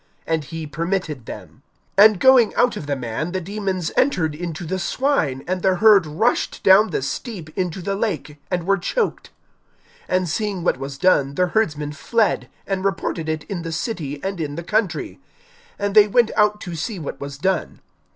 And he permitted them. (33)And going out of the man, the demons entered into the swine; and the herd rushed down the steep into the lake, and were choked. (34)And seeing what was done the herdsmen fled, and reported it in the city and in the country, (35)And they went out to see what was done.